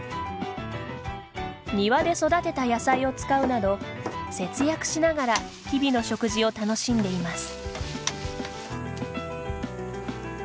庭で育てた野菜を使うなど節約しながら日々の食事を楽しんでいます。